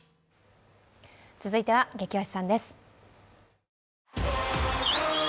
続いては「ゲキ推しさん」です。